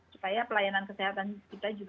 supaya pelayanan kesehatan kita juga tidak menderita